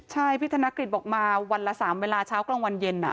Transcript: ใช่พี่ทะนากฤทธิ์บอกมาวันละสามเวลาเช้ากลางวันเย็น